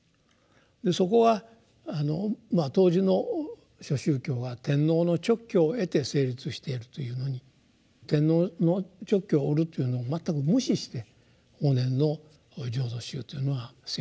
でそこは当時の諸宗教は天皇の勅許を得て成立しているというのに天皇の勅許を得るというのを全く無視して法然の「浄土宗」というのは成立すると。